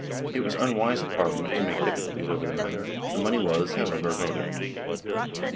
It was unwise of Parliament to make difficulties over the matter ; the money was, however, voted.